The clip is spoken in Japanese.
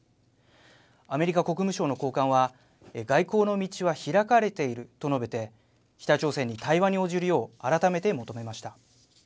アメリカ国務省の高官は外交の道は開かれていると述べて北朝鮮に対話に応じるよう改めて求めました。